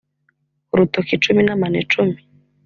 urutoki icumi n’ amano icumi